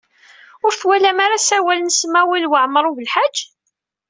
Ur twalam ara asawal n Smawil Waɛmaṛ U Belḥaǧ?